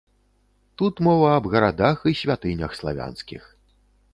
Тут мова аб гарадах і святынях славянскіх.